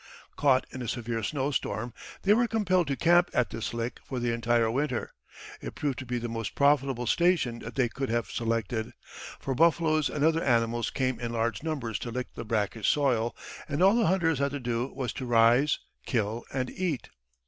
Caught in a severe snow storm, they were compelled to camp at this lick for the entire winter. It proved to be the most profitable station that they could have selected, for buffaloes and other animals came in large numbers to lick the brackish soil, and all the hunters had to do was to "rise, kill, and eat."